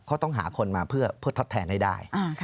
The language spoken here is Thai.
เขาต้องหาคนมาเพื่อทดแทนให้ได้